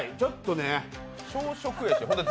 小食やで。